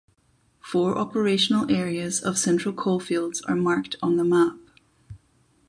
Four operational areas of Central Coalfields are marked on the map.